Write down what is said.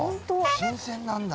新鮮なんだ。